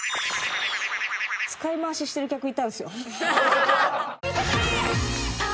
使い回ししてる客いたんですよ。